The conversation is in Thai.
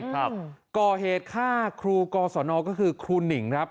ครับก่อเหตุฆ่าครูกศนก็คือครูหนิ่งครับ